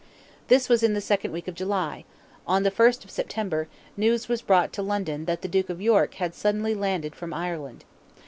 This was in the second week of July; on the 1st of September, news was brought to London that the Duke of York had suddenly landed from Ireland.